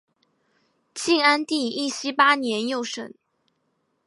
晋安帝义熙八年又省。